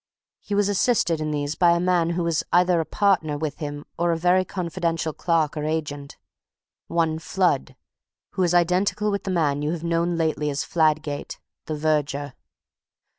He was assisted in these by a man who was either a partner with him or a very confidential clerk or agent, one Flood, who is identical with the man you have known lately as Fladgate, the verger.